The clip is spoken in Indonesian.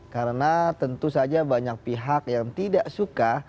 karena tentu saja banyak pihak yang tidak suka